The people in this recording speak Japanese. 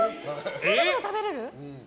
それでも食べられる？